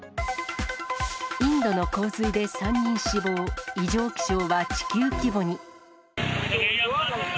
インドの洪水で３人死亡、異常気象は地球規模に。